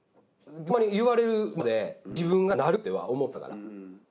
ホンマに言われるまで自分がなるっては思ってたから。